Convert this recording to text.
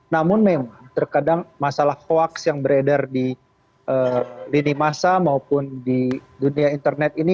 namun memang terkadang masalah hoaks yang beredar di lini masa maupun di dunia internet ini